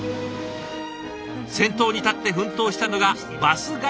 先頭に立って奮闘したのがバスガイドたち。